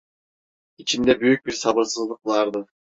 İçinde büyük bir sabırsızlık vardı.